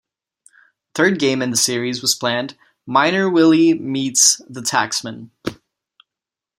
A third game in the series was planned, "Miner Willy Meets The Taxman".